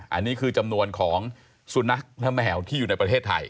อันนี้คือจำนวนของสุนัขและแมวที่อยู่ในประเทศไทย